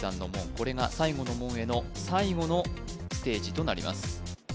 これが最後の門への最後のステージとなります